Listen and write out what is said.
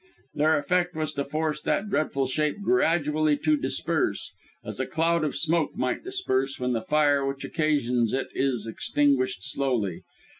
Their effect was to force that dreadful shape gradually to disperse, as a cloud of smoke might disperse when the fire which occasions it is extinguished slowly.